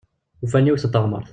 Ufan yiwet n teɣmert.